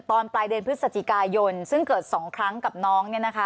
ตอนปลายเดินพฤศจิกายนซึ่งเกิดสองครั้งกับน้องเนี้ยนะคะ